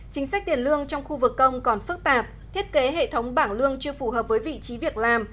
chính sách tiền lương trong khu vực công còn phức tạp thiết kế hệ thống bảng lương chưa phù hợp với vị trí việc làm